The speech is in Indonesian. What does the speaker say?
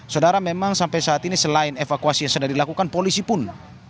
saudara memang sampai saat ini selain evakuasi yang sudah dilakukan polisi pun